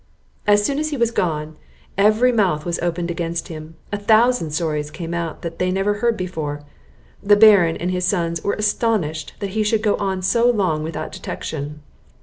As soon as he was gone, every mouth was opened against him; a thousand stories came out that they never heard before; The Baron and his sons were astonished that he should go on so long without detection.